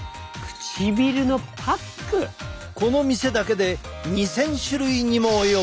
この店だけで２，０００種類にも及ぶ。